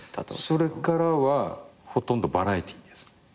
それからはほとんどバラエティーです。